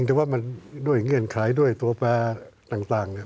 แต่ว่ามันด้วยเงื่อนไขด้วยตัวแปรต่าง